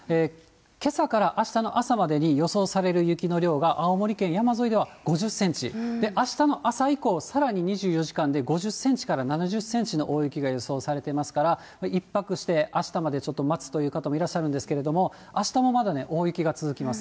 けさからあしたの朝までに予想される雪の量が青森県山沿いでは５０センチ、あしたの朝以降、さらに２４時間で５０センチから７０センチの大雪が予想されてますから、１泊してあしたまでちょっと待つという方もいらっしゃるんですけれども、あしたもまだね、大雪が続きます。